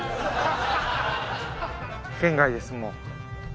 圏外ですもう。